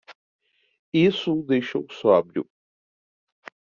Isso o deixou sóbrio.